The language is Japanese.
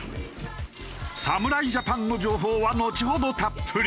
侍ジャパンの情報はのちほどたっぷり。